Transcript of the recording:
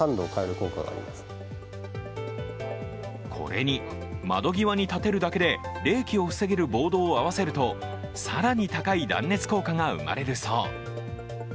これに、窓際に立てるだけで冷気を防げるボードを合わせると更に高い断熱効果が生まれるそう。